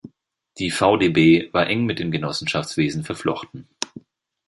Die VdB war eng mit dem Genossenschaftswesen verflochten.